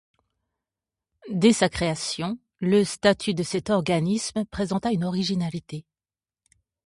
Dès sa création, le statut de cet organisme présenta une originalité.